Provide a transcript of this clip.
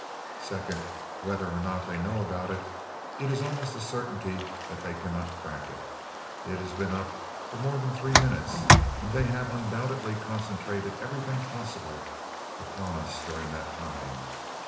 Second, whether or not they know about it, it is almost a certainty that they cannot crack it. It had been up for more than three minutes, and they have undoubtedly concentrated everything possible upon us during that time.